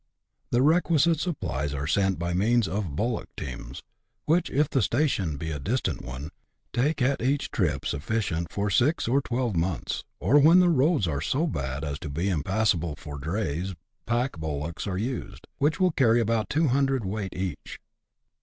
The requisite supplies are sent by means of bullock teams, which, if the station be a distant one, take at each trip sufficient for six or twelve months, or when the roads are so bad as to be impassable for drays, pack bullocks are used, which will carry about two hundredweight each.